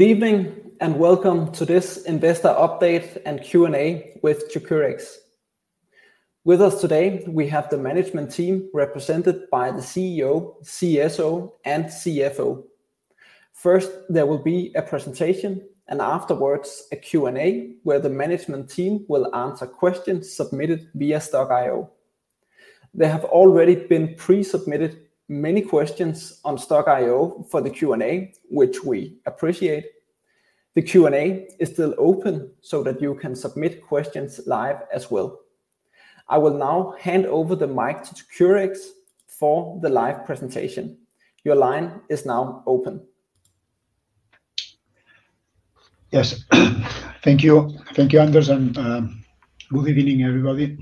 Good evening, and welcome to this investor update and Q&A with 2cureX. With us today, we have the management team represented by the CEO, CSO, and CFO. First, there will be a presentation, and afterwards, a Q&A, where the management team will answer questions submitted via Stokk.io. There have already been pre-submitted many questions on Stokk.io for the Q&A, which we appreciate. The Q&A is still open so that you can submit questions live as well. I will now hand over the mic to 2cureX for the live presentation. Your line is now open. Yes. Thank you. Thank you, Anders, and good evening, everybody.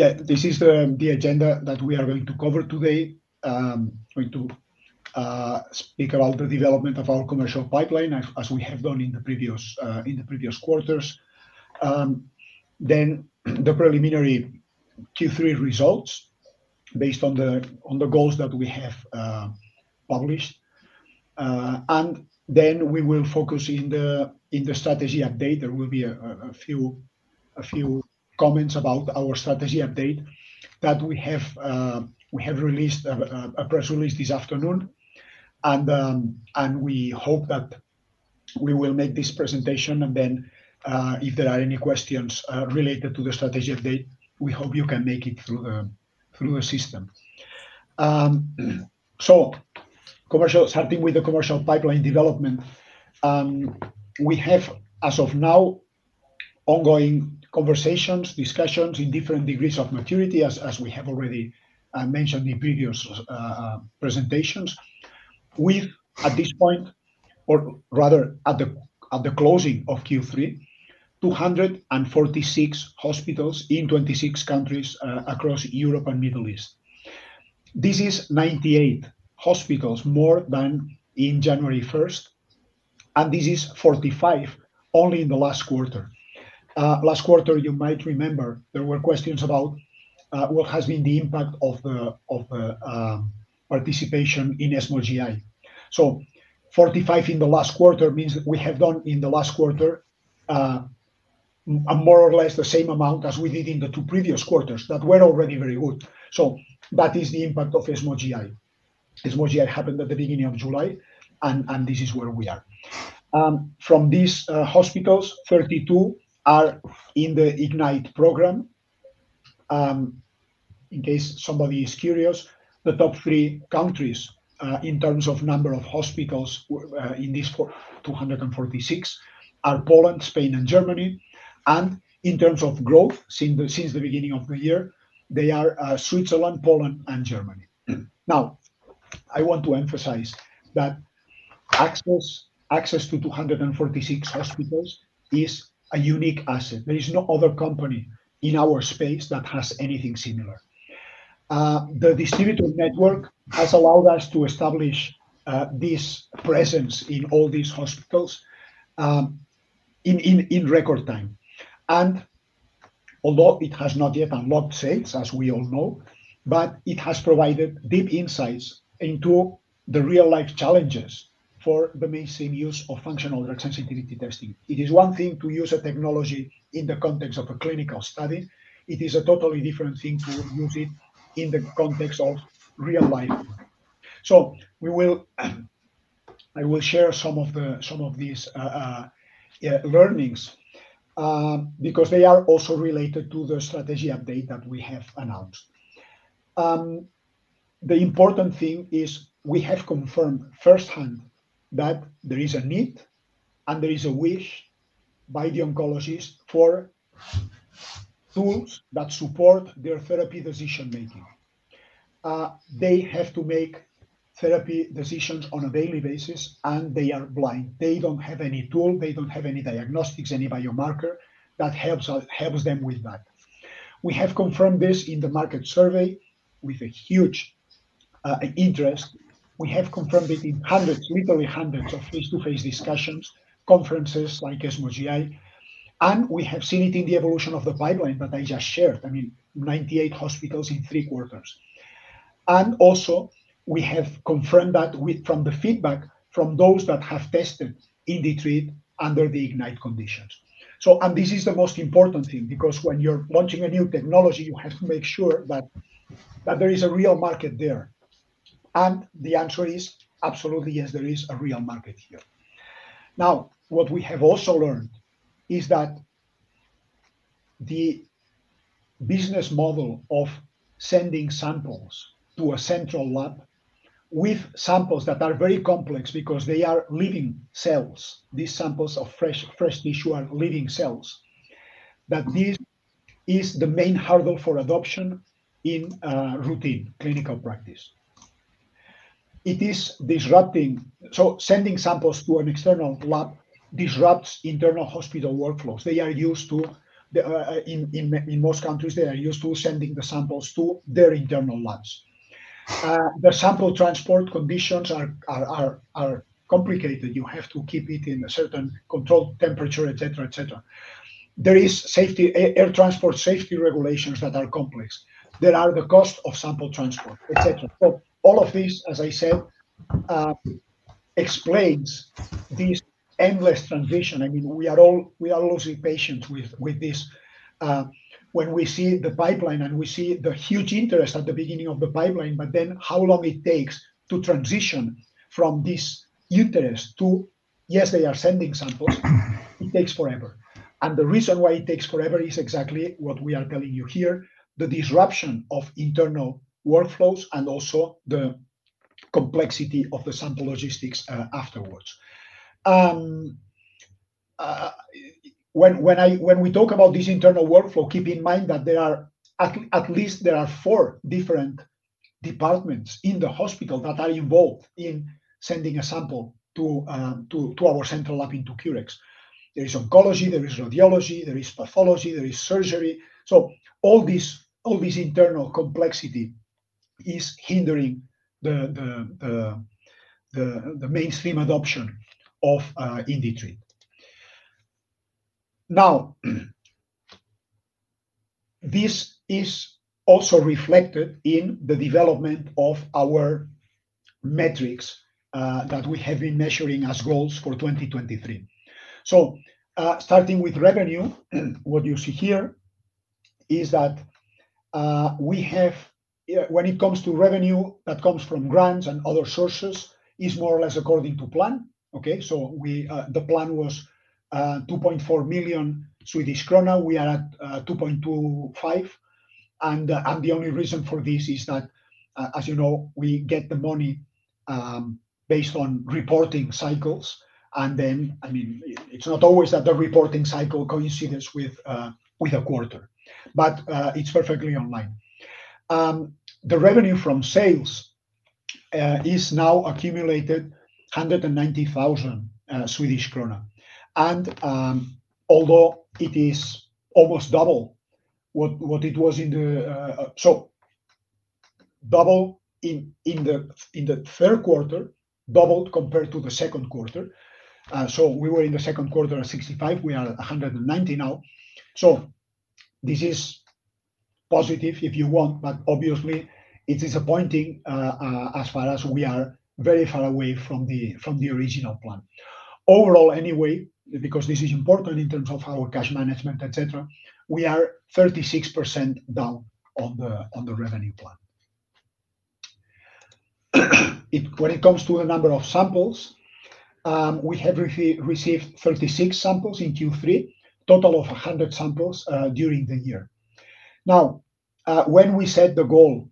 Yeah, this is the agenda that we are going to cover today. We're going to speak about the development of our commercial pipeline, as we have done in the previous, in the previous quarters. Then, the preliminary Q3 results based on the goals that we have published. We will focus in the strategy update. There will be a few comments about our strategy update that we have released, a press release this afternoon. We hope that we will make this presentation, and if there are any questions related to the strategy update, we hope you can make it through the system. So, commercial-- starting with the commercial pipeline development. We have, as of now, ongoing conversations, discussions in different degrees of maturity, as we have already mentioned in previous presentations. We've, at this point, or rather at the closing of Q3, 246 hospitals in 26 countries, across Europe and Middle East. This is 98 hospitals more than in January first, and this is 45 only in the last quarter. Last quarter, you might remember, there were questions about what has been the impact of the participation in ESMO GI. So 45 in the last quarter means that we have done in the last quarter, more or less the same amount as we did in the two previous quarters, that were already very good. That is the impact of ESMO GI. ESMO GI happened at the beginning of July, and this is where we are. From these hospitals, 32 are in the IGNITE program. In case somebody is curious, the top three countries, in terms of number of hospitals in this 246, are Poland, Spain, and Germany. In terms of growth, since the beginning of the year, they are Switzerland, Poland, and Germany. Now, I want to emphasize that access to 246 hospitals is a unique asset. There is no other company in our space that has anything similar. The distributor network has allowed us to establish this presence in all these hospitals in record time. Although it has not yet unlocked sales, as we all know, but it has provided deep insights into the real-life challenges for the mainstream use of functional drug sensitivity testing. It is one thing to use a technology in the context of a clinical study. It is a totally different thing to use it in the context of real life. So we will, I will share some of the, some of these, learnings, because they are also related to the strategy update that we have announced. The important thing is we have confirmed firsthand that there is a need, and there is a wish by the oncologist for tools that support their therapy decision-making. They have to make therapy decisions on a daily basis, and they are blind. They don't have any tool, they don't have any diagnostics, any biomarker that helps us—helps them with that. We have confirmed this in the market survey with a huge interest. We have confirmed it in hundreds, literally hundreds of face-to-face discussions, conferences like ESMO GI, and we have seen it in the evolution of the pipeline that I just shared. I mean, 98 hospitals in three quarters. And also, we have confirmed that with... from the feedback from those that have tested IndiTreat under the IGNITE conditions. So and this is the most important thing, because when you're launching a new technology, you have to make sure that, that there is a real market there. And the answer is absolutely yes, there is a real market here. Now, what we have also learned is that the business model of sending samples to a central lab with samples that are very complex because they are living cells, these samples of fresh, fresh tissue are living cells, that this is the main hurdle for adoption in routine clinical practice. It is disrupting... Sending samples to an external lab disrupts internal hospital workflows. They are used to, in most countries, they are used to sending the samples to their internal labs. The sample transport conditions are complicated. You have to keep it in a certain controlled temperature, et cetera, et cetera. There is safety, air transport safety regulations that are complex. There are the cost of sample transport, et cetera. All of this, as I said, explains this endless transition. I mean, we are all losing patience with this. When we see the pipeline and we see the huge interest at the beginning of the pipeline, but then how long it takes to transition from this interest to, "Yes, they are sending samples," it takes forever. And the reason why it takes forever is exactly what we are telling you here, the disruption of internal workflows and also the complexity of the sample logistics afterwards. When we talk about this internal workflow, keep in mind that there are at least there are four different departments in the hospital that are involved in sending a sample to our central lab in 2cureX. There is oncology, there is radiology, there is pathology, there is surgery. All this internal complexity is hindering the mainstream adoption of IndiTreat. This is also reflected in the development of our metrics that we have been measuring as goals for 2023. Starting with revenue, what you see here is that we have... When it comes to revenue that comes from grants and other sources, it is more or less according to plan. The plan was 2.4 million Swedish krona. We are at 2.25 million, and the only reason for this is that, as you know, we get the money based on reporting cycles, and then, I mean, it's not always that the reporting cycle coincides with a quarter, but it's perfectly online. The revenue from sales is now accumulated 190,000 Swedish krona. Although it is almost double what it was in the third quarter, doubled compared to the second quarter. We were in the second quarter at 65,000, we are at 190,000 now. This is positive if you want, but obviously it's disappointing, as far as we are very far away from the original plan. Overall, anyway, because this is important in terms of our cash management, et cetera, we are 36% down on the revenue plan. When it comes to the number of samples, we have received 36 samples in Q3, total of 100 samples during the year. Now, when we set the goal,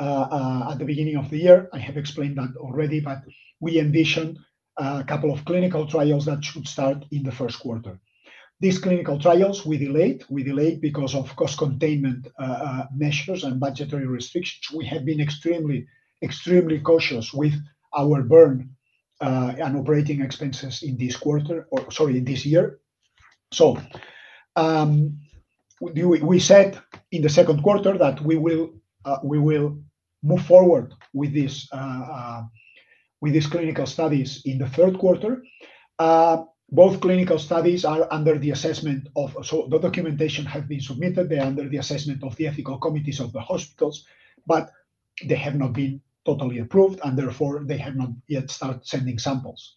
at the beginning of the year, I have explained that already, but we envisioned a couple of clinical trials that should start in the first quarter. These clinical trials, we delayed. We delayed because of cost containment, measures and budgetary restrictions. We have been extremely, extremely cautious with our burn, and operating expenses in this quarter or sorry, in this year. So, we, we said in the second quarter that we will, we will move forward with this, with these clinical studies in the third quarter. Both clinical studies are under the assessment of... So the documentation have been submitted. They are under the assessment of the ethical committees of the hospitals, but they have not been totally approved, and therefore, they have not yet start sending samples.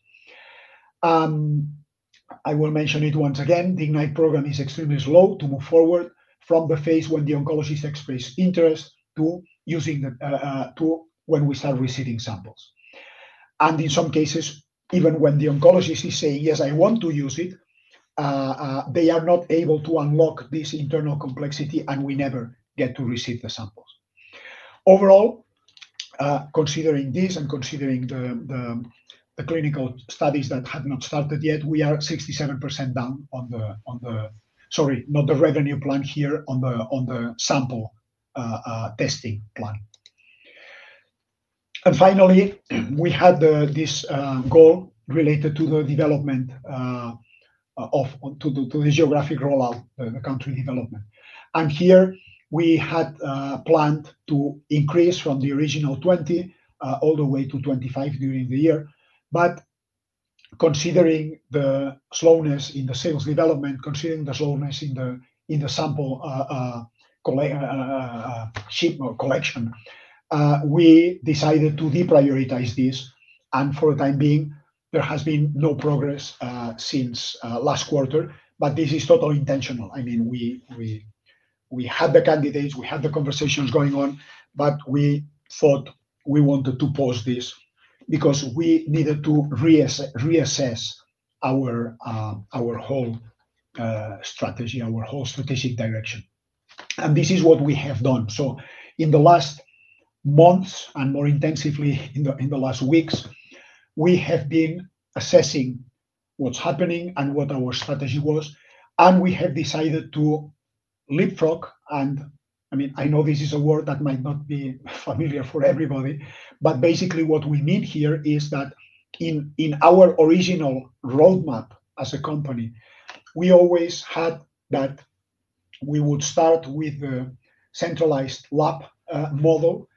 I will mention it once again, the IGNITE program is extremely slow to move forward from the phase when the oncologist express interest to using the tool when we start receiving samples. And in some cases, even when the oncologist is saying, "Yes, I want to use it," they are not able to unlock this internal complexity, and we never get to receive the samples. Overall, considering this and considering the clinical studies that have not started yet, we are 67% down on the... Sorry, not the revenue plan here, on the sample testing plan. And finally, we had this goal related to the development of the geographic rollout, the country development. We had planned to increase from the original 20 all the way to 25 during the year. Considering the slowness in the sales development, considering the slowness in the sample shipment collection, we decided to deprioritize this, and for the time being, there has been no progress since last quarter, but this is totally intentional. I mean, we had the candidates, we had the conversations going on, but we thought we wanted to pause this because we needed to reassess our whole strategy, our whole strategic direction. This is what we have done. In the last months, and more intensively in the last weeks, we have been assessing what's happening and what our strategy was, and we have decided to leapfrog. And I mean, I know this is a word that might not be familiar for everybody, but basically what we mean here is that in our original roadmap as a company, we always had that we would start with the centralized lab model,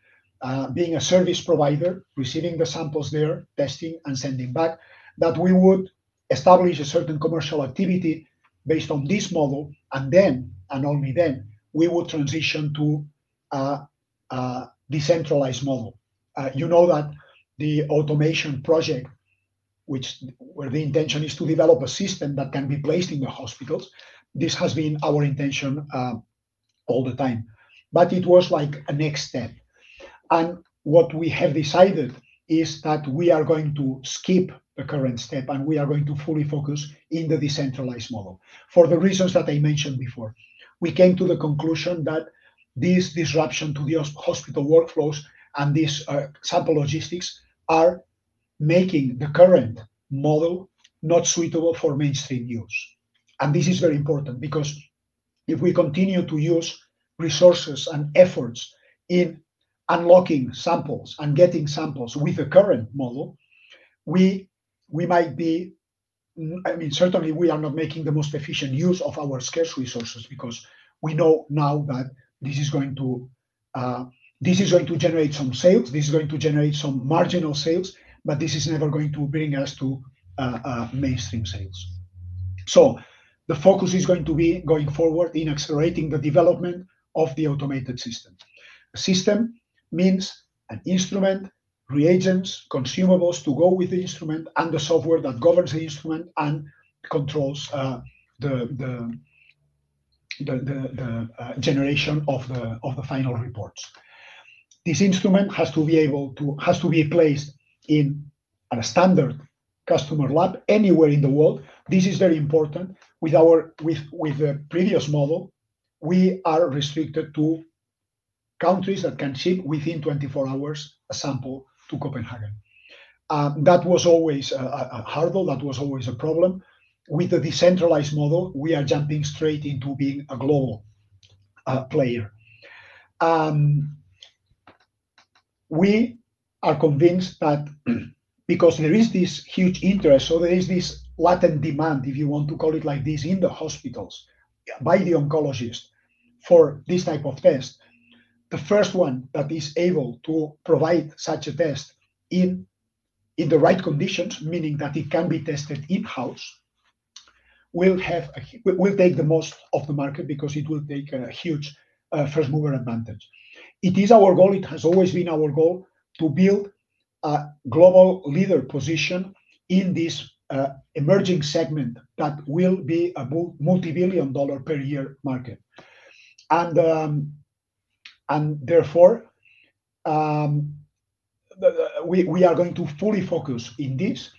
being a service provider, receiving the samples there, testing and sending back. That we would establish a certain commercial activity based on this model, and then, and only then, we would transition to a decentralized model. You know that the automation project, which where the intention is to develop a system that can be placed in the hospitals, this has been our intention all the time, but it was like a next step. And what we have decided is that we are going to skip the current step, and we are going to fully focus in the decentralized model. For the reasons that I mentioned before, we came to the conclusion that this disruption to the hospital workflows and this sample logistics are making the current model not suitable for mainstream use. And this is very important because if we continue to use resources and efforts in unlocking samples and getting samples with the current model, we might be, I mean, certainly, we are not making the most efficient use of our scarce resources because we know now that this is going to generate some sales, this is going to generate some marginal sales, but this is never going to bring us to mainstream sales. So the focus is going to be going forward in accelerating the development of the automated system. A system means an instrument, reagents, consumables to go with the instrument, and the software that governs the instrument and controls the generation of the final reports. This instrument has to be able to—has to be placed in a standard customer lab anywhere in the world. This is very important. With our with the previous model, we are restricted to countries that can ship within 24 hours a sample to Copenhagen. That was always a hurdle, that was always a problem. With the decentralized model, we are jumping straight into being a global player. We are convinced that because there is this huge interest, so there is this latent demand, if you want to call it like this, in the hospitals by the oncologist for this type of test. The first one that is able to provide such a test in, in the right conditions, meaning that it can be tested in-house, will have a huge—will, will take the most of the market because it will take a huge first mover advantage. It is our goal, it has always been our goal, to build a global leader position in this emerging segment that will be a multibillion dollar per year market. Therefore, we are going to fully focus in this.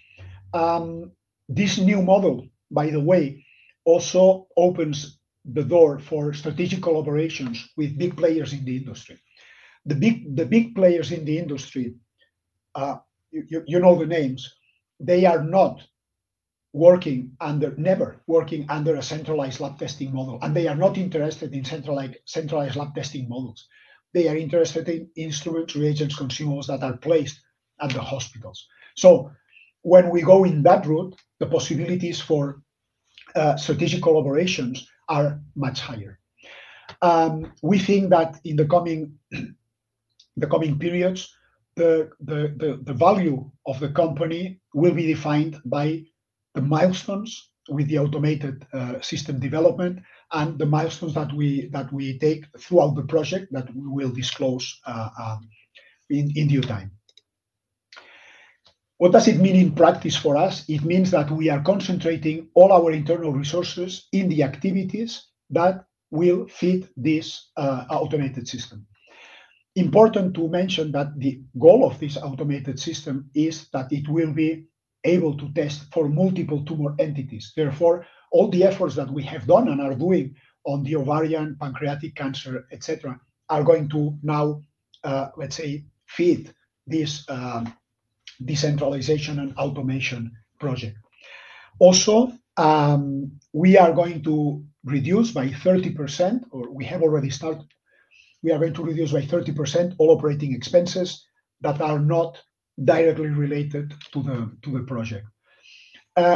This new model, by the way, also opens the door for strategic collaborations with big players in the industry. The big, the big players in the industry, you know the names, they are not working under, never working under a centralized lab testing model, and they are not interested in centralized lab testing models. They are interested in instrument reagents, consumables that are placed at the hospitals. When we go in that route, the possibilities for strategic collaborations are much higher. We think that in the coming periods, the value of the company will be defined by the milestones with the automated system development and the milestones that we take throughout the project that we will disclose in due time. What does it mean in practice for us? It means that we are concentrating all our internal resources in the activities that will fit this automated system. Important to mention that the goal of this automated system is that it will be able to test for multiple tumor entities. Therefore, all the efforts that we have done and are doing on the ovarian, pancreatic cancer, et cetera, are going to now, let's say, feed this decentralization and automation project. Also, we are going to reduce by 30%, or we have already started, we are going to reduce by 30% all operating expenses that are not directly related to the project.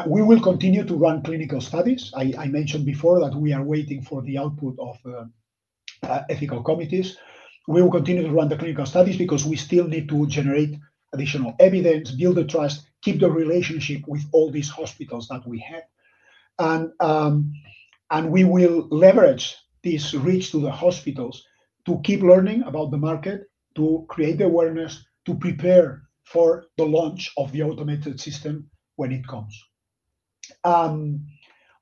We will continue to run clinical studies. I mentioned before that we are waiting for the output of ethical committees. We will continue to run the clinical studies because we still need to generate additional evidence, build the trust, keep the relationship with all these hospitals that we have. We will leverage this reach to the hospitals to keep learning about the market, to create awareness, to prepare for the launch of the automated system when it comes.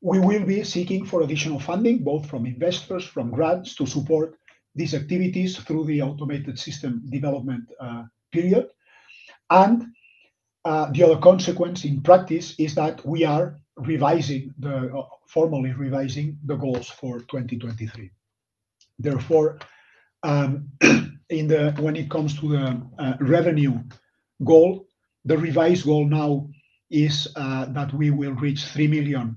We will be seeking additional funding, both from investors and from grants, to support these activities through the automated system development period. The other consequence in practice is that we are formally revising the goals for 2023. Therefore, when it comes to the revenue goal, the revised goal now is that we will reach SEK 3 million,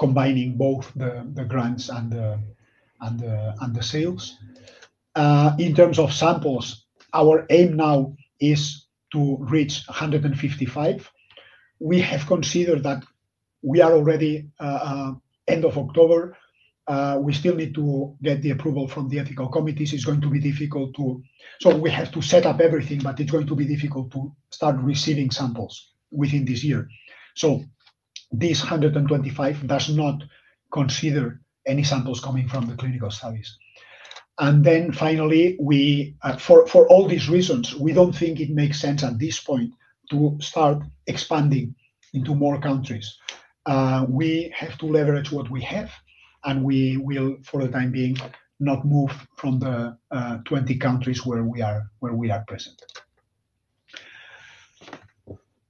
combining both the grants and the sales. In terms of samples, our aim now is to reach 155. We have considered that we are already at the end of October, we still need to get the approval from the ethical committees. It's going to be difficult to set up everything, but it's going to be difficult to start receiving samples within this year. This 125 does not consider any samples coming from the clinical studies. Finally, for all these reasons, we don't think it makes sense at this point to start expanding into more countries. We have to leverage what we have, and we will, for the time being, not move from the 20 countries where we are present.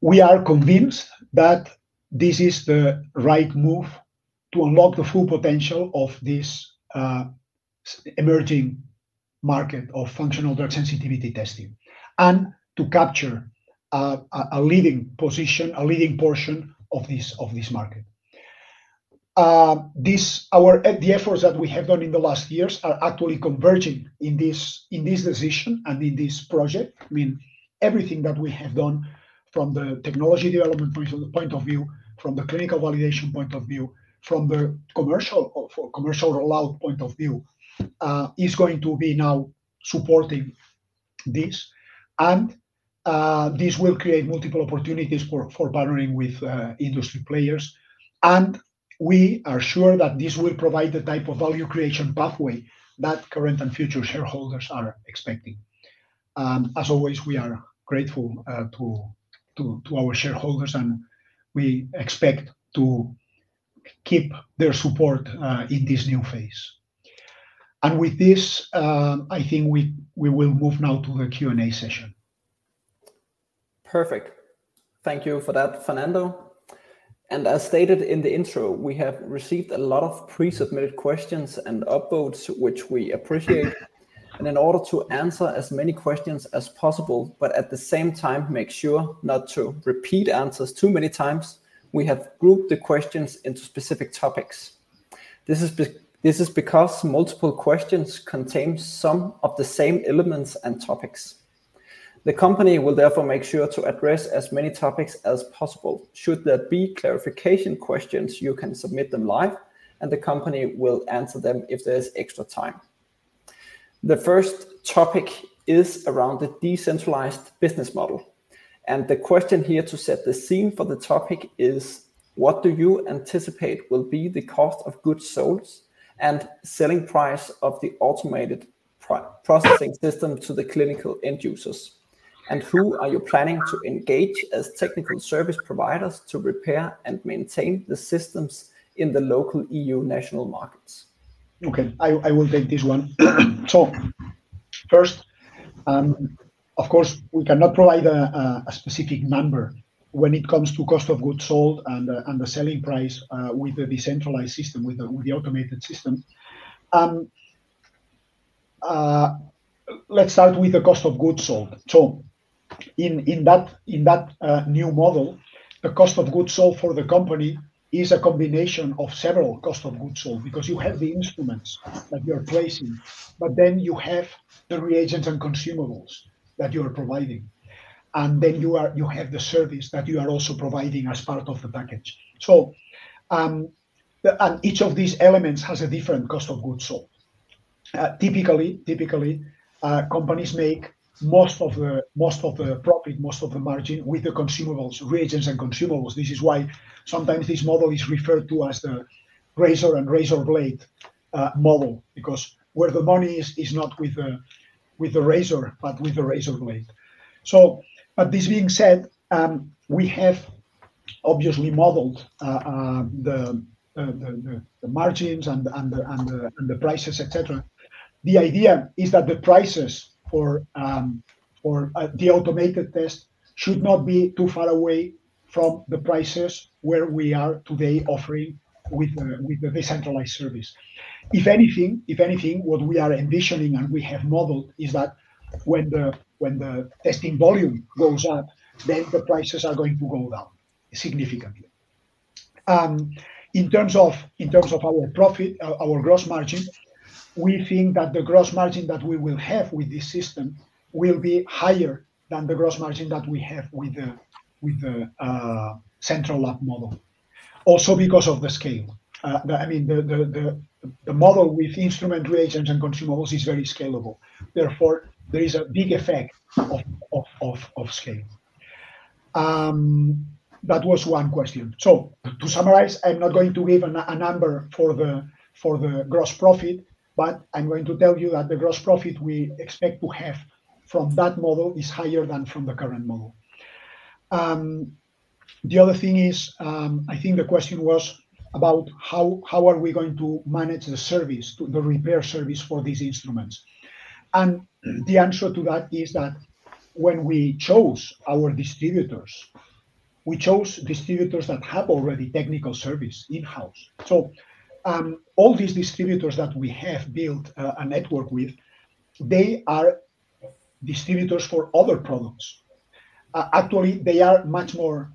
We are convinced that this is the right move to unlock the full potential of this emerging market of functional drug sensitivity testing, and to capture a leading position, a leading portion of this, of this market. Our efforts that we have done in the last years are actually converging in this, in this decision and in this project. I mean, everything that we have done from the technology development point of view, from the clinical validation point of view, from the commercial rollout point of view, is going to be now supporting this. And this will create multiple opportunities for partnering with industry players. And we are sure that this will provide the type of value creation pathway that current and future shareholders are expecting. As always, we are grateful to our shareholders, and we expect to keep their support in this new phase. With this, I think we will move now to the Q&A session. Perfect. Thank you for that, Fernando. As stated in the intro, we have received a lot of pre-submitted questions and upvotes, which we appreciate. In order to answer as many questions as possible, but at the same time, make sure not to repeat answers too many times, we have grouped the questions into specific topics. This is because multiple questions contain some of the same elements and topics. The company will therefore make sure to address as many topics as possible. Should there be clarification questions, you can submit them live, and the company will answer them if there is extra time. The first topic is around the decentralized business model, and the question here to set the scene for the topic is: What do you anticipate will be the cost of goods sold and selling price of the automated pre-processing system to the clinical end users? And who are you planning to engage as technical service providers to repair and maintain the systems in the local EU national markets? Okay, I will take this one. So first, of course, we cannot provide a specific number when it comes to cost of goods sold and the selling price, with the decentralized system, with the automated system. Let's start with the cost of goods sold. So in that new model, the cost of goods sold for the company is a combination of several cost of goods sold, because you have the instruments that you're placing, but then you have the reagents and consumables that you are providing, and then you have the service that you are also providing as part of the package. So each of these elements has a different cost of goods sold. Typically, companies make most of the profit, most of the margin with the consumables, reagents, and consumables. This is why sometimes this model is referred to as the razor and razor blade model, because where the money is, is not with the razor, but with the razor blade. So, but this being said, we have obviously modeled the margins and the prices, et cetera. The idea is that the prices for the automated test should not be too far away from the prices where we are today offering with the decentralized service. If anything, what we are envisioning and we have modeled is that when the testing volume goes up, then the prices are going to go down significantly. In terms of, in terms of our profit, our gross margin, we think that the gross margin that we will have with this system will be higher than the gross margin that we have with the central lab model. Also, because of the scale. I mean, the model with instrument reagents and consumables is very scalable, therefore, there is a big effect of scale. That was one question. To summarize, I'm not going to give a number for the gross profit, but I'm going to tell you that the gross profit we expect to have from that model is higher than from the current model. The other thing is, I think the question was about how, how are we going to manage the service, the repair service for these instruments? The answer to that is that when we chose our distributors, we chose distributors that have already technical service in-house. All these distributors that we have built a network with, they are distributors for other products. Actually, they are much more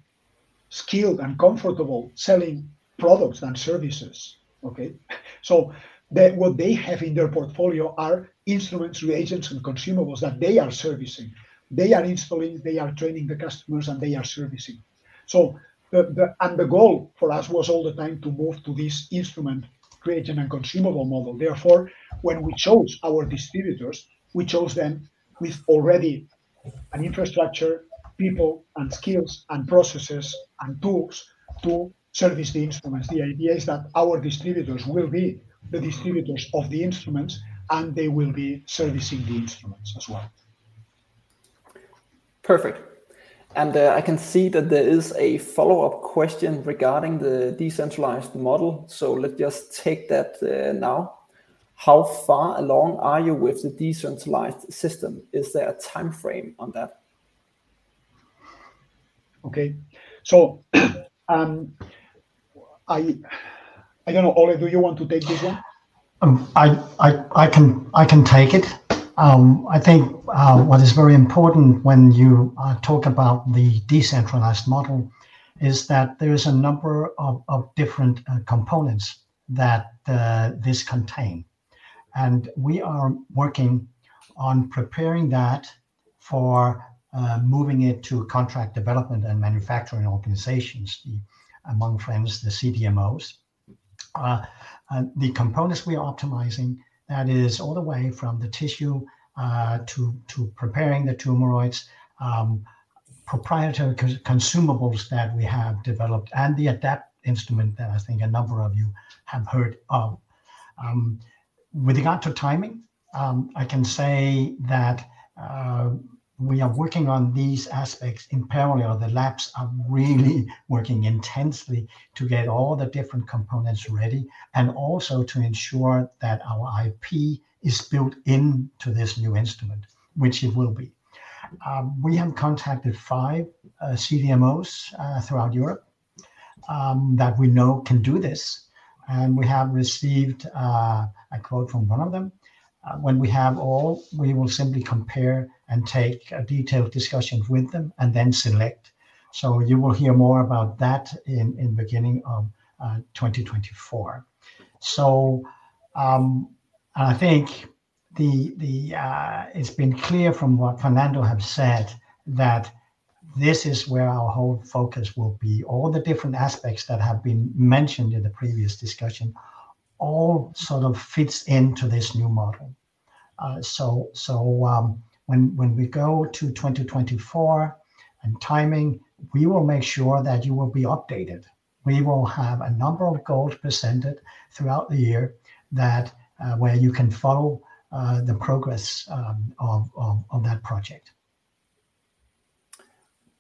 skilled and comfortable selling products than services, okay? What they have in their portfolio are instruments, reagents, and consumables that they are servicing. They are installing, they are training the customers, and they are servicing. The goal for us was all the time to move to this instrument, create an and consumable model. Therefore, when we chose our distributors, we chose them with already an infrastructure, people, and skills, and processes, and tools to service the instruments. The idea is that our distributors will be the distributors of the instruments, and they will be servicing the instruments as well. Perfect. And, I can see that there is a follow-up question regarding the decentralized model, so let's just take that, now. How far along are you with the decentralized system? Is there a time frame on that? Okay. So, I don't know, Ole, do you want to take this one? I can take it. I think what is very important when you talk about the decentralized model is that there is a number of different components that this contain. And we are working on preparing that for moving it to contract development and manufacturing organizations, among others, the CDMOs. And the components we are optimizing, that is all the way from the tissue to preparing the tumoroids, proprietary consumables that we have developed and the Uncertain that I think a number of you have heard of. With regard to timing, I can say that we are working on these aspects in parallel. The labs are really working intensely to get all the different components ready, and also to ensure that our IP is built into this new instrument, which it will be. We have contacted five CDMOs throughout Europe that we know can do this, and we have received a quote from one of them. When we have all, we will simply compare and take a detailed discussions with them and then select. So you will hear more about that in the beginning of 2024. So, and I think the, the, it's been clear from what Fernando have said, that this is where our whole focus will be. All the different aspects that have been mentioned in the previous discussion, all sort of fits into this new model. So, when we go to 2024 and timing, we will make sure that you will be updated. We will have a number of goals presented throughout the year that, where you can follow, the progress, of that project.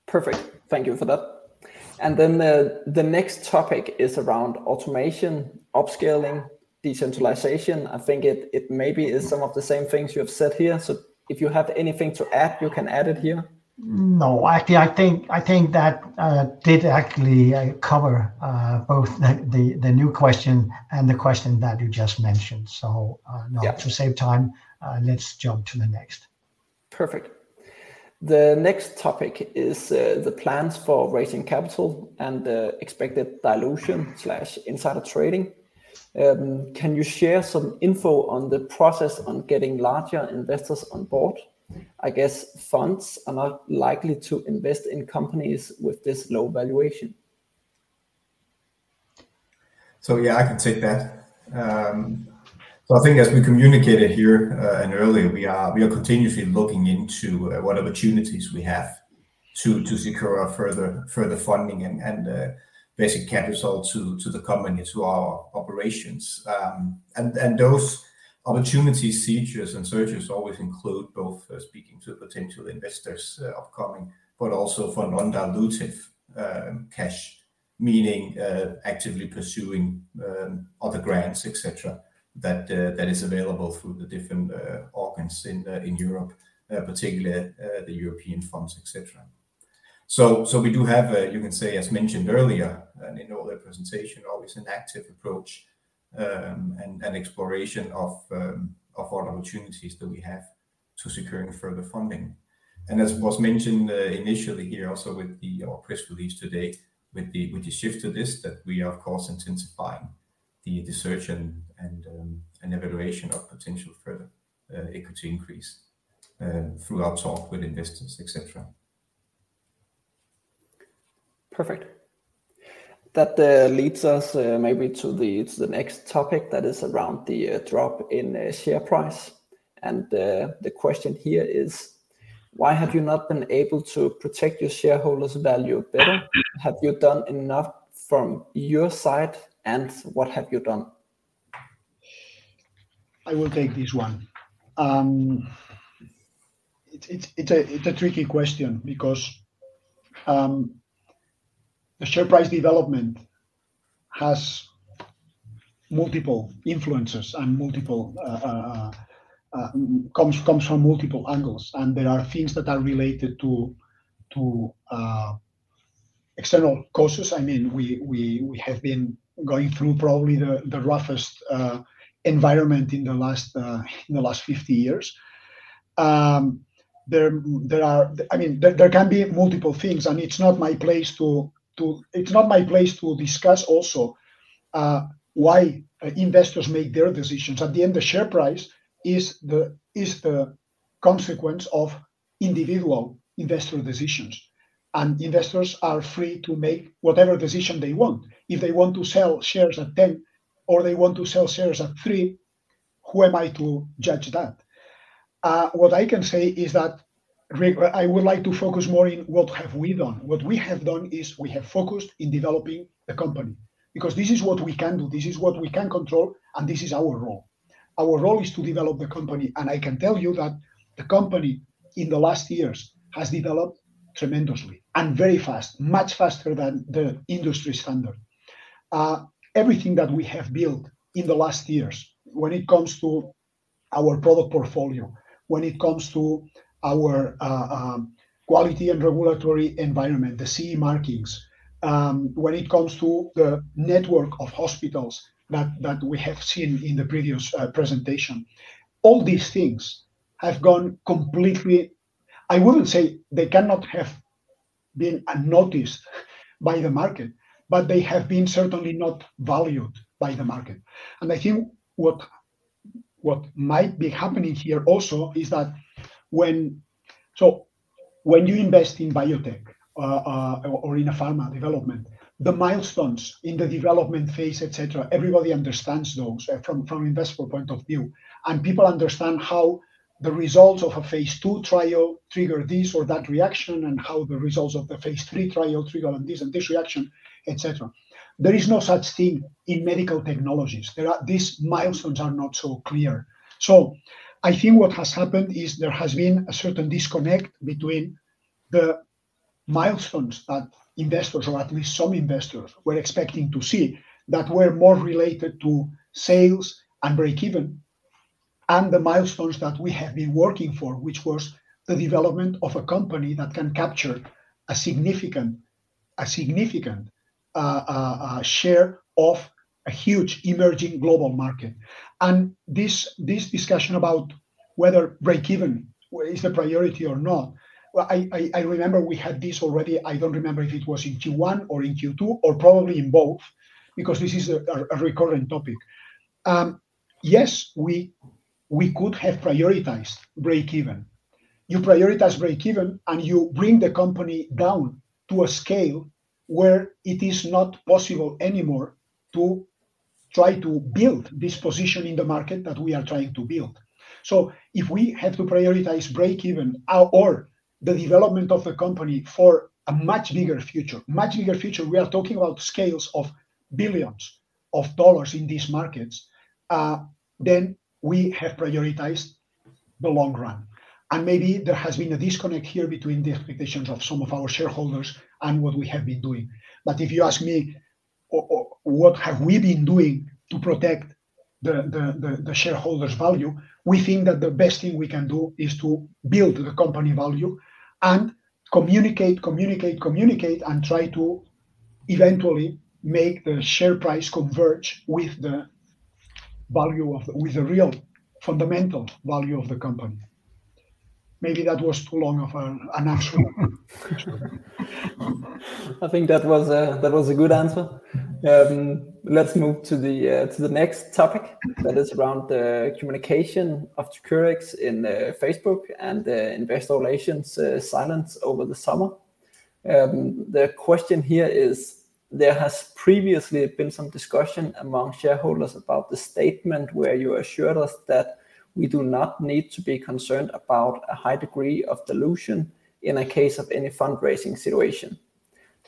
Perfect. Thank you for that. And then the next topic is around automation, upscaling, decentralization. I think it maybe is some of the same things you have said here, so if you have anything to add, you can add it here. No, actually, I think that did actually cover both the new question and the question that you just mentioned. So- Yeah... to save time, let's jump to the next. Perfect. The next topic is the plans for raising capital and the expected dilution slash insider trading. Can you share some info on the process on getting larger investors on board? I guess funds are not likely to invest in companies with this low valuation. Yeah, I can take that. I think as we communicated here, and earlier, we are continuously looking into what opportunities we have to secure our further funding and basic capital to the company, to our operations. Those opportunity seizures and searches always include both speaking to potential investors, upcoming, but also for non-dilutive cash, meaning actively pursuing other grants, et cetera, that is available through the different organs in Europe, particularly the European funds, et cetera. We do have a, you can say, as mentioned earlier, and in Ole presentation, always an active approach and exploration of all opportunities that we have to securing further funding. And as was mentioned, initially here, also with our press release today, with the shift to this, that we are of course intensifying the search and evaluation of potential further equity increase through our talk with investors, et cetera. Perfect. That leads us maybe to the next topic that is around the drop in share price. And the question here is: Why have you not been able to protect your shareholders value better? Have you done enough from your side, and what have you done? I will take this one. It's a tricky question because the share price development has multiple influences and comes from multiple angles, and there are things that are related to external causes. I mean, we have been going through probably the roughest environment in the last 50 years. There are-- I mean, there can be multiple things, and it's not my place to-- It's not my place to discuss also why investors make their decisions. At the end, the share price is the consequence of individual investor decisions, and investors are free to make whatever decision they want. If they want to sell shares at 10 or they want to sell shares at 3, who am I to judge that? What I can say is that, Rick, I would like to focus more in what have we done. What we have done is we have focused in developing the company, because this is what we can do, this is what we can control, and this is our role. Our role is to develop the company, and I can tell you that the company, in the last years, has developed tremendously and very fast, much faster than the industry standard. Everything that we have built in the last years, when it comes to our product portfolio, when it comes to our quality and regulatory environment, the CE markings, when it comes to the network of hospitals that we have seen in the previous presentation, all these things have gone completely... I wouldn't say they cannot have been unnoticed by the market, but they have been certainly not valued by the market. I think what might be happening here also is that when you invest in biotech or in a pharma development, the milestones in the development phase, et cetera, everybody understands those from an investor point of view. People understand how the results of a phase two trial trigger this or that reaction, and how the results of the phase three trial trigger this and this reaction, et cetera. There is no such thing in medical technologies. These milestones are not so clear. So I think what has happened is there has been a certain disconnect between the milestones that investors, or at least some investors, were expecting to see, that were more related to sales and breakeven, and the milestones that we have been working for, which was the development of a company that can capture a significant share of a huge emerging global market. And this discussion about whether breakeven is a priority or not, well, I remember we had this already. I don't remember if it was in Q1 or in Q2, or probably in both, because this is a recurring topic. Yes, we could have prioritized breakeven. You prioritize breakeven, and you bring the company down to a scale where it is not possible anymore to try to build this position in the market that we are trying to build. So if we had to prioritize breakeven, or the development of a company for a much bigger future, much bigger future, we are talking about scales of billions of dollars in these markets, then we have prioritized the long run. And maybe there has been a disconnect here between the expectations of some of our shareholders and what we have been doing. But if you ask me, what have we been doing to protect the shareholders' value, we think that the best thing we can do is to build the company value and communicate, communicate, communicate, and try to eventually make the share price converge with the real fundamental value of the company. Maybe that was too long of an answer. I think that was a good answer. Let's move to the next topic, that is around the communication of 2cureX in Facebook and the investor relations silence over the summer. The question here is, there has previously been some discussion among shareholders about the statement where you assured us that we do not need to be concerned about a high degree of dilution in the case of any fundraising situation.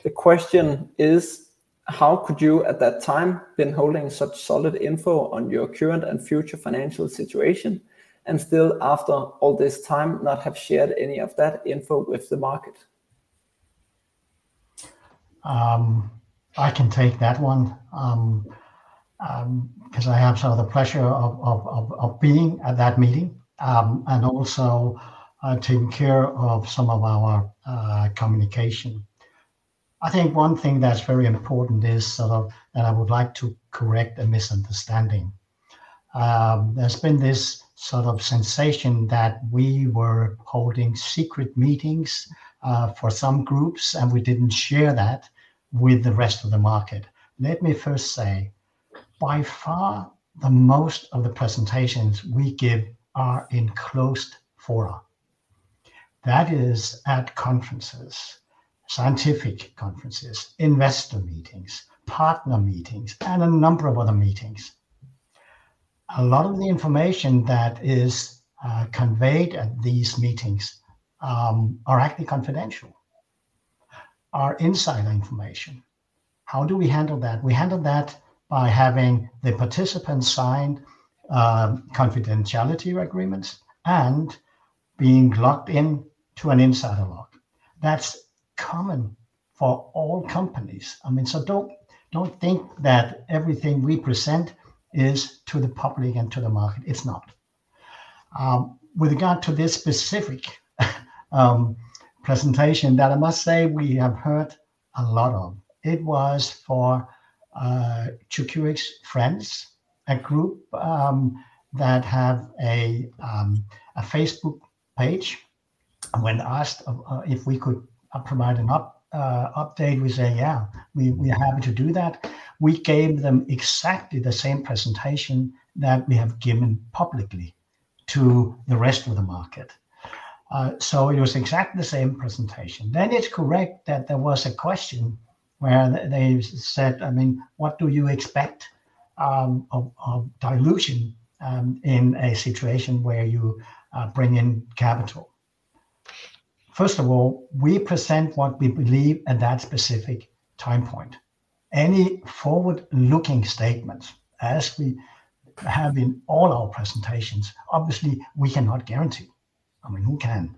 The question is: How could you, at that time, been holding such solid info on your current and future financial situation, and still, after all this time, not have shared any of that info with the market? I can take that one, because I have some of the pressure of being at that meeting, and also taking care of some of our communication. I think one thing that's very important is, and I would like to correct a misunderstanding. There's been this sort of sensation that we were holding secret meetings, for some groups, and we didn't share that with the rest of the market. Let me first say, by far, the most of the presentations we give are in closed fora. That is at conferences, scientific conferences, investor meetings, partner meetings, and a number of other meetings. A lot of the information that is conveyed at these meetings are actually confidential, are insider information. How do we handle that? We handle that by having the participants sign confidentiality agreements and being logged in to an insider log. That's common for all companies. I mean, so don't think that everything we present is to the public and to the market. It's not. With regard to this specific presentation, that I must say we have heard a lot of. It was for 2cureX Friends, a group that have a Facebook page. When asked if we could provide an update, we say, "Yeah, we are happy to do that." We gave them exactly the same presentation that we have given publicly to the rest of the market. So it was exactly the same presentation. Then it's correct that there was a question where they said, I mean, "What do you expect of dilution in a situation where you bring in capital?" First of all, we present what we believe at that specific time point. Any forward-looking statements, as we have in all our presentations, obviously, we cannot guarantee. I mean, who can?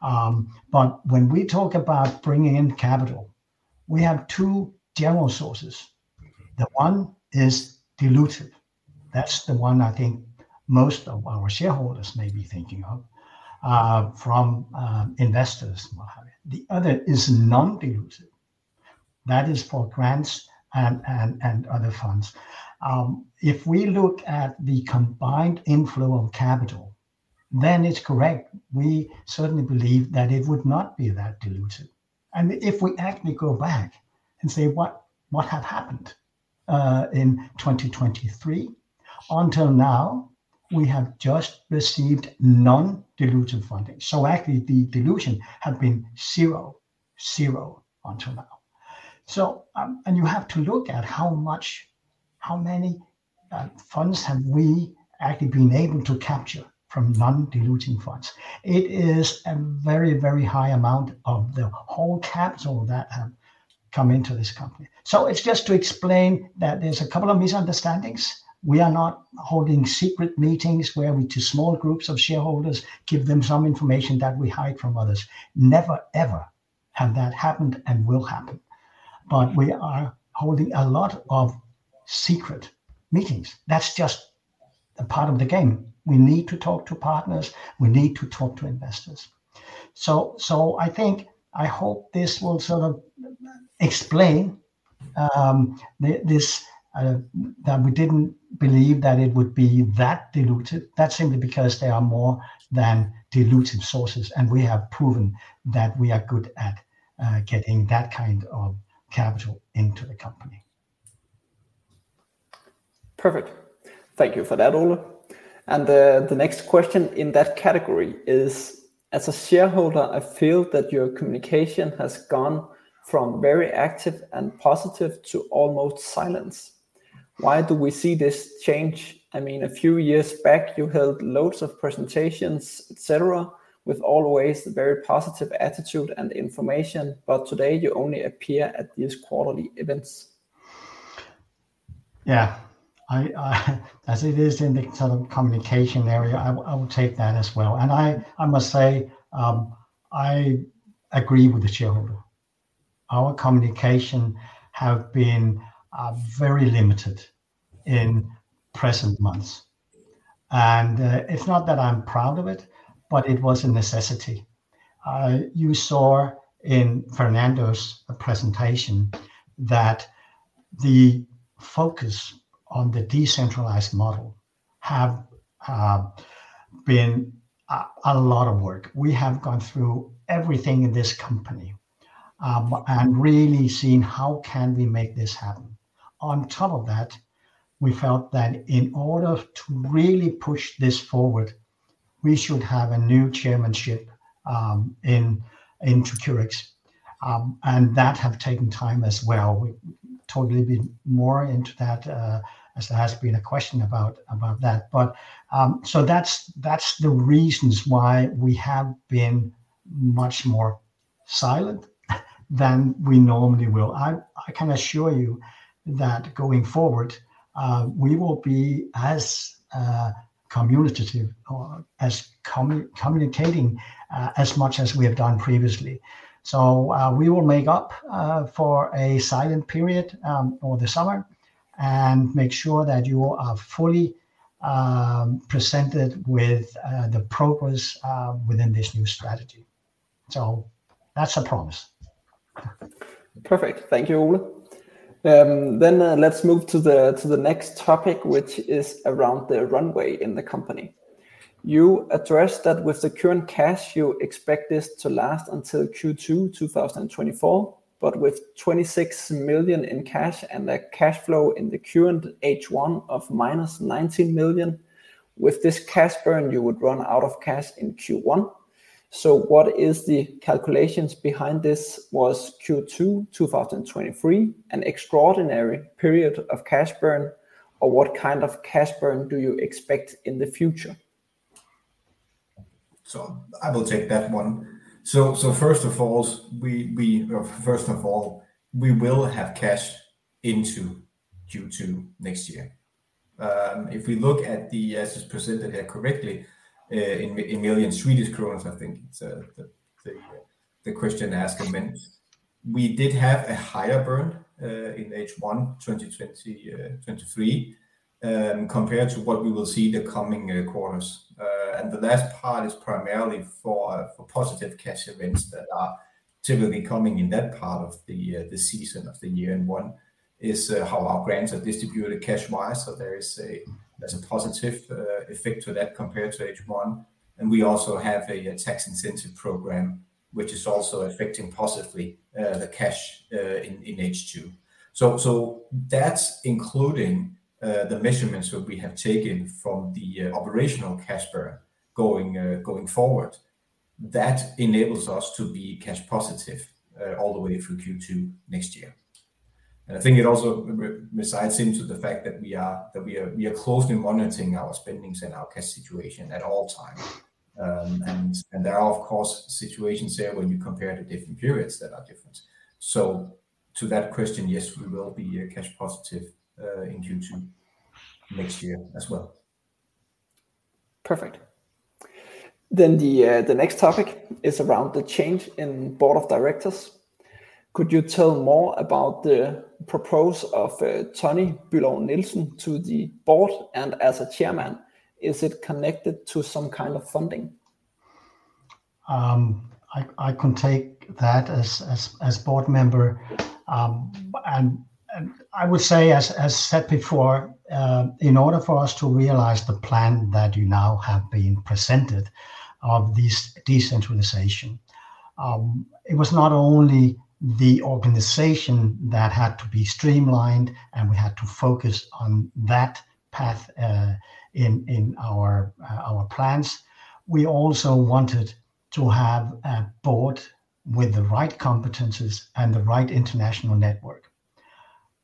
But when we talk about bringing in capital, we have two general sources. The one is dilutive. That's the one I think most of our shareholders may be thinking of, from investors maybe. The other is non-dilutive. That is for grants and other funds. If we look at the combined inflow of capital, then it's correct, we certainly believe that it would not be that dilutive. And if we actually go back and say, what have happened in 2023 until now, we have just received non-dilutive funding. So actually, the dilution have been 0, 0 until now. So, and you have to look at how many funds have we actually been able to capture from non-diluting funds. It is a very, very high amount of the whole capital that have come into this company. So it's just to explain that there's a couple of misunderstandings. We are not holding secret meetings where we, to small groups of shareholders, give them some information that we hide from others. Never, ever have that happened and will happen. But we are holding a lot of secret meetings. That's just a part of the game. We need to talk to partners. We need to talk to investors. So I think... I hope this will sort of explain that we didn't believe that it would be that dilutive. That's simply because there are more than dilutive sources, and we have proven that we are good at getting that kind of capital into the company. Perfect. Thank you for that, Ole. And the next question in that category is: As a shareholder, I feel that your communication has gone from very active and positive to almost silence. Why do we see this change? I mean, a few years back, you held loads of presentations, et cetera, with always a very positive attitude and information, but today you only appear at these quarterly events. Yeah, as it is in the sort of communication area, I will take that as well. And I must say, I agree with the shareholder. Our communication have been very limited in recent months. And it's not that I'm proud of it, but it was a necessity. You saw in Fernando's presentation that the focus on the decentralized model have been a lot of work. We have gone through everything in this company and really seen how can we make this happen. On top of that, we felt that in order to really push this forward, we should have a new chairmanship in 2cureX, and that have taken time as well. We totally be more into that, as there has been a question about that. But so that's the reasons why we have been much more silent than we normally will. I can assure you that going forward, we will be as communicative or as communicating as much as we have done previously. So we will make up for a silent period over the summer and make sure that you are fully presented with the progress within this new strategy. So that's a promise. Perfect. Thank you, Ole. Then, let's move to the next topic, which is around the runway in the company. You addressed that with the current cash, you expect this to last until Q2 2024, but with 26 million in cash and the cash flow in the current H1 of -19 million, with this cash burn, you would run out of cash in Q1. So what is the calculations behind this? Was Q2 2023 an extraordinary period of cash burn, or what kind of cash burn do you expect in the future? I will take that one. First of all, we will have cash into Q2 next year. If we look at the, as it's presented here correctly, in million Swedish crowns, I think it's, the question asked amends. We did have a higher burn in H1 2023 compared to what we will see the coming quarters. The last part is primarily for positive cash events that are typically coming in that part of the season of the year. One is how our grants are distributed cash-wise, so there is a positive effect to that compared to H1. We also have a tax incentive program, which is also affecting positively the cash in H2. So that's including the measurements that we have taken from the operational cash burn going forward. That enables us to be cash positive all the way through Q2 next year. And I think it also resides into the fact that we are closely monitoring our spendings and our cash situation at all times. And there are, of course, situations there when you compare the different periods that are different. So to that question, yes, we will be cash positive in Q2 next year as well. Perfect. Then the next topic is around the change in Board of Directors. Could you tell more about the proposal of Tonni Bülow-Nielsen to the board and as a chairman, is it connected to some kind of funding? I can take that as board member. I would say as said before, in order for us to realize the plan that you now have been presented of this decentralization, it was not only the organization that had to be streamlined, and we had to focus on that path in our plans. We also wanted to have a board with the right competencies and the right international network.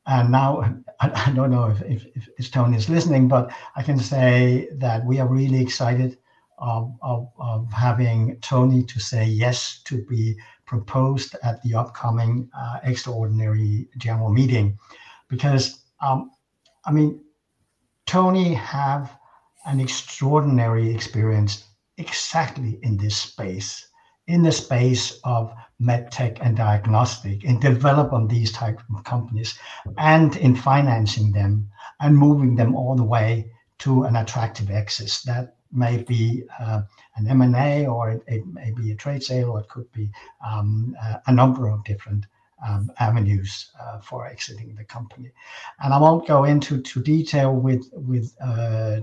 Now, I don't know if Tonni is listening, but I can say that we are really excited of having Tonni to say yes to be proposed at the upcoming extraordinary general meeting. Because, I mean, Tonni has an extraordinary experience exactly in this space, in the space of med tech and diagnostic, in developing these type of companies, and in financing them and moving them all the way to an attractive exit. That may be an M&A, or it may be a trade sale, or it could be a number of different avenues for exiting the company. I won't go into too detail with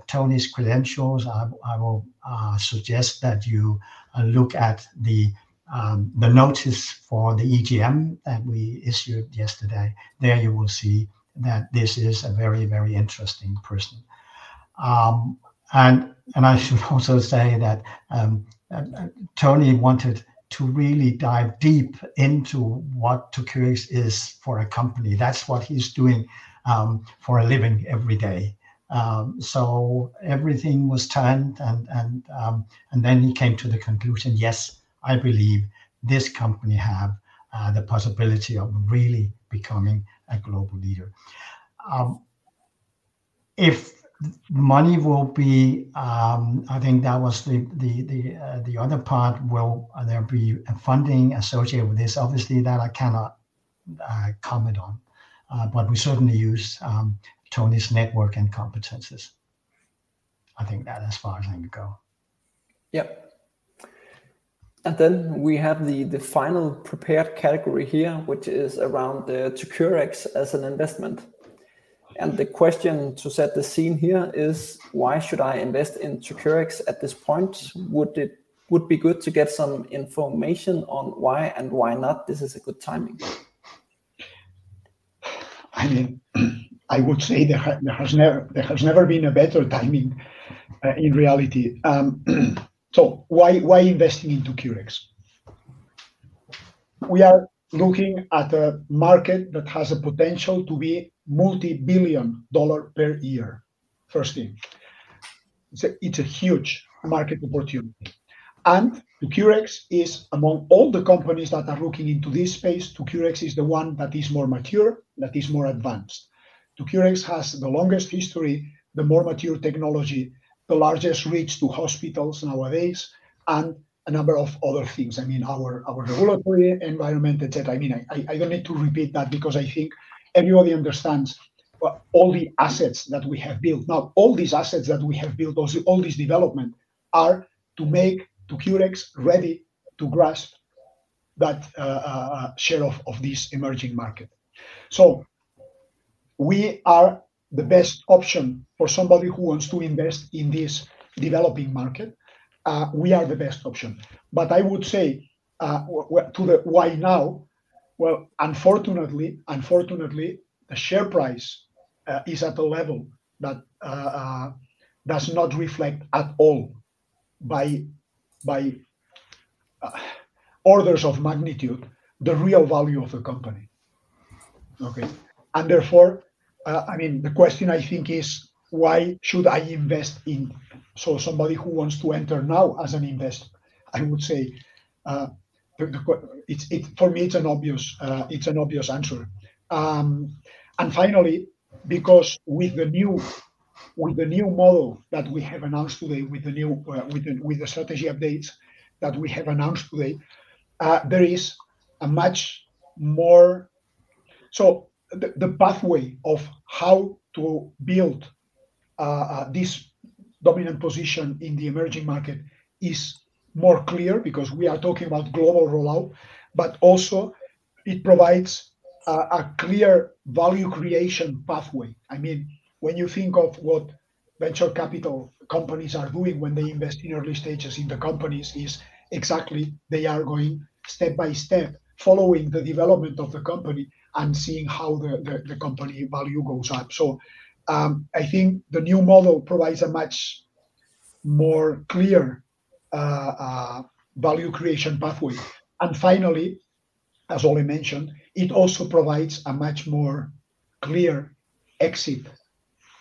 Tonni's credentials. I will suggest that you look at the notice for the EGM that we issued yesterday. There you will see that this is a very, very interesting person. I should also say that Tonni wanted to really dive deep into what 2cureX is for a company. That's what he's doing for a living every day. So everything was turned, and then he came to the conclusion, "Yes, I believe this company have the possibility of really becoming a global leader." If money will be, I think that was the other part. Will there be a funding associated with this? Obviously, that I cannot comment on, but we certainly use Tonni's network and competencies. I think that as far as I can go. Yep. And then we have the final prepared category here, which is around the 2cureX as an investment. And the question to set the scene here is, why should I invest in 2cureX at this point? Would it be good to get some information on why and why not this is a good timing? I mean, I would say there has never, there has never been a better timing, in reality. Why, why investing into 2cureX? We are looking at a market that has a potential to be multi-billion dollar per year, firstly. It's a huge market opportunity, and 2cureX is among all the companies that are looking into this space, 2cureX is the one that is more mature, that is more advanced. 2cureX has the longest history, the more mature technology, the largest reach to hospitals nowadays, and a number of other things. I mean, our, our regulatory environment, et cetera. I mean, I don't need to repeat that because I think everybody understands, all the assets that we have built. Now, all these assets that we have built, all, all these development are to make 2cureX ready to grasp that, share of, of this emerging market. So we are the best option for somebody who wants to invest in this developing market. We are the best option. But I would say, to the why now? Well, unfortunately, unfortunately, the share price is at a level that does not reflect at all by, by, orders of magnitude, the real value of the company. Okay, and therefore, I mean, the question I think is, why should I invest in-- So somebody who wants to enter now as an investor, I would say, the question is, it's, it-- for me, it's an obvious, it's an obvious answer. And finally, because with the new-... with the new model that we have announced today, with the new strategy updates that we have announced today, there is a much more... So the pathway of how to build this dominant position in the emerging market is more clear, because we are talking about global rollout, but also it provides a clear value creation pathway. I mean, when you think of what venture capital companies are doing when they invest in early stages in the companies, is exactly they are going step by step, following the development of the company and seeing how the company value goes up. So, I think the new model provides a much more clear value creation pathway. And finally, as Ole mentioned, it also provides a much more clear exit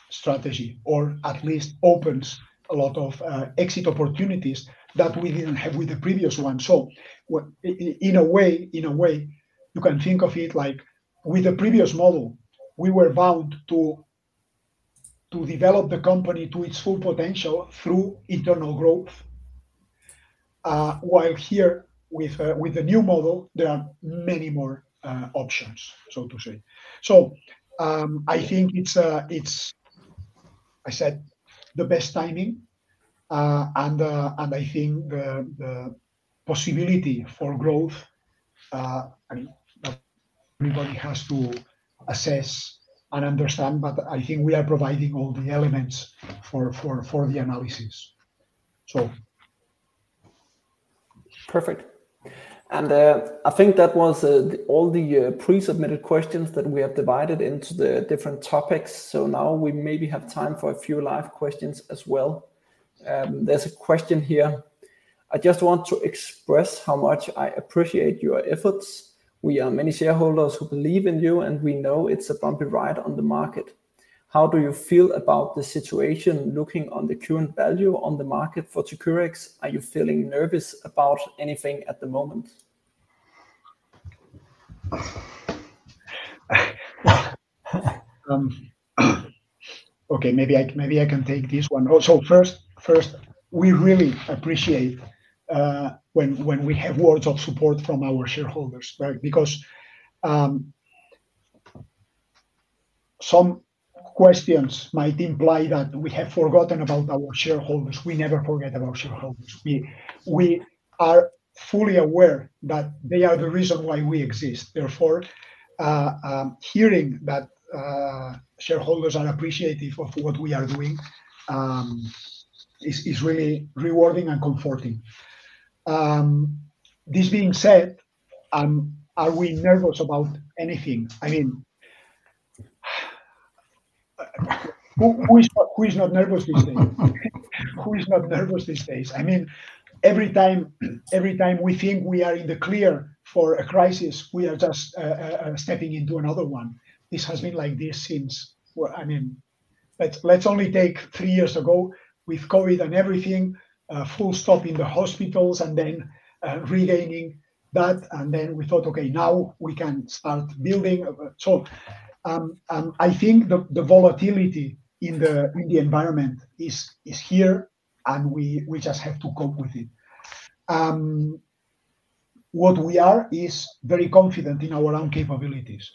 strategy, or at least opens a lot of exit opportunities that we didn't have with the previous one. So what, in a way, you can think of it like with the previous model, we were bound to develop the company to its full potential through internal growth. While here with the new model, there are many more options, so to say. So, I think it's, I said, the best timing. And I think the possibility for growth, I mean, everybody has to assess and understand, but I think we are providing all the elements for the analysis, so. Perfect. And, I think that was all the pre-submitted questions that we have divided into the different topics. So now we maybe have time for a few live questions as well. There's a question here: I just want to express how much I appreciate your efforts. We are many shareholders who believe in you, and we know it's a bumpy ride on the market. How do you feel about the situation, looking on the current value on the market for 2cureX? Are you feeling nervous about anything at the moment? Okay, maybe I can take this one. Also, first, we really appreciate when we have words of support from our shareholders, right? Because some questions might imply that we have forgotten about our shareholders. We never forget about shareholders. We are fully aware that they are the reason why we exist. Therefore, hearing that shareholders are appreciative of what we are doing is really rewarding and comforting. This being said, are we nervous about anything? I mean, who is not nervous these days? Who is not nervous these days? I mean, every time we think we are in the clear for a crisis, we are just stepping into another one. This has been like this since... Well, I mean, let's only take three years ago with COVID and everything, full stop in the hospitals and then regaining that. We thought, "Okay, now we can start building." I think the volatility in the environment is here, and we just have to cope with it. What we are is very confident in our own capabilities.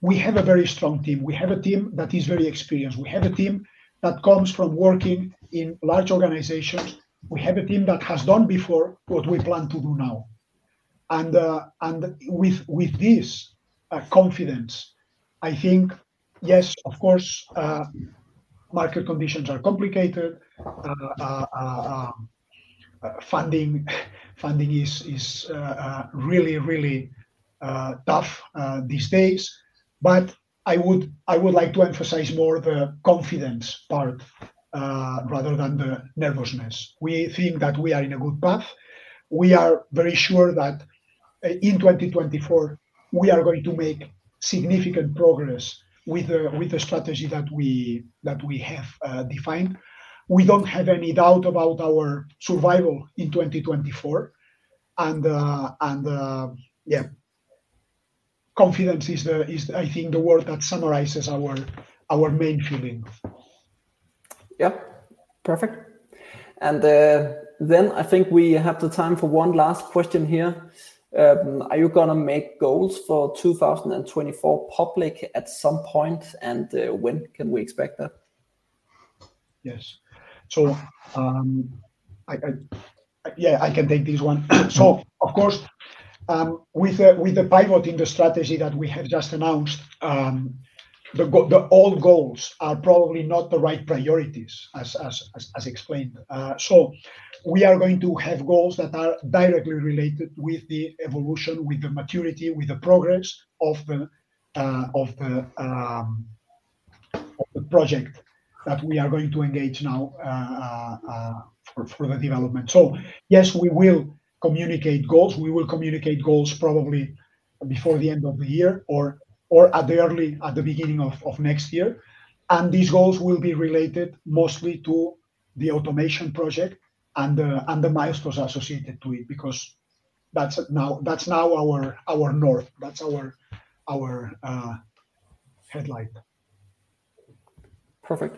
We have a very strong team. We have a team that is very experienced. We have a team that comes from working in large organizations. We have a team that has done before what we plan to do now. With this confidence, I think, yes, of course, market conditions are complicated. Funding is really tough these days, but I would like to emphasize more the confidence part rather than the nervousness. We think that we are in a good path. We are very sure that in 2024, we are going to make significant progress with the strategy that we have defined. We don't have any doubt about our survival in 2024. Yeah, confidence is, I think, the word that summarizes our main feeling. Yep. Perfect. And then I think we have the time for one last question here. Are you gonna make goals for 2024 public at some point, and when can we expect that? Yes. So, yeah, I can take this one. So of course, with the pivot in the strategy that we have just announced, the old goals are probably not the right priorities, as explained. So we are going to have goals that are directly related with the evolution, with the maturity, with the progress of the project that we are going to engage now, for the development. So yes, we will communicate goals. We will communicate goals probably before the end of the year or at the beginning of next year. And these goals will be related mostly to the automation project and the milestones associated to it, because that's now our north. That's our headlight. Perfect.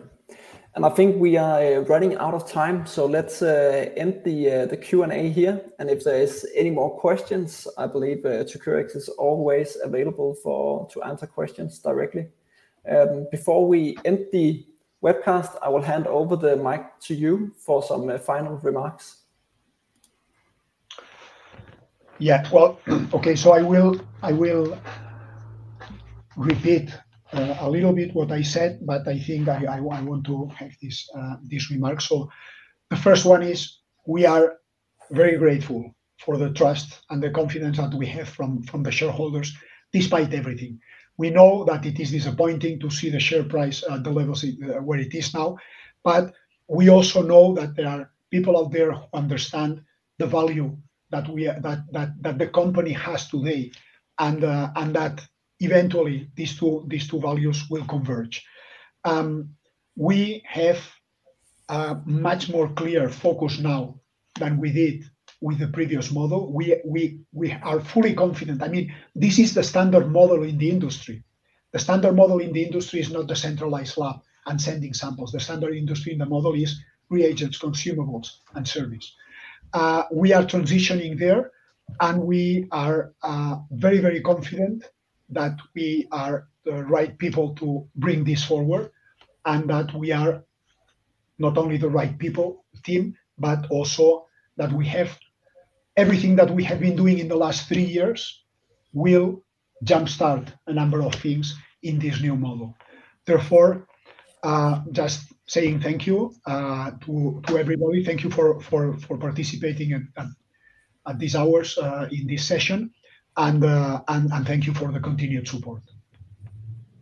I think we are running out of time, so let's end the Q&A here. If there is any more questions, I believe 2cureX is always available to answer questions directly. Before we end the webcast, I will hand over the mic to you for some final remarks. Yeah. Well, okay, so I will repeat a little bit what I said, but I think I want to make this remark. So the first one is, we are very grateful for the trust and the confidence that we have from the shareholders, despite everything. We know that it is disappointing to see the share price at the levels where it is now, but we also know that there are people out there who understand the value that the company has today, and that eventually these two values will converge. We have a much more clear focus now than we did with the previous model. We are fully confident. I mean, this is the standard model in the industry. The standard model in the industry is not the centralized lab and sending samples. The standard industry in the model is reagents, consumables, and service. We are transitioning there, and we are very, very confident that we are the right people to bring this forward, and that we are not only the right people, team, but also that we have everything that we have been doing in the last three years will jumpstart a number of things in this new model. Therefore, just saying thank you to everybody. Thank you for participating at these hours in this session, and thank you for the continued support.